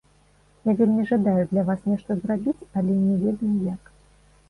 Я вельмі жадаю для вас нешта зрабіць, але не ведаю як.